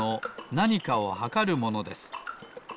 なにかをはかるものです。